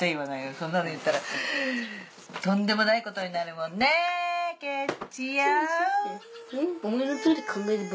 そんなの言ったらとんでもないことになるもんね佳ちゃん！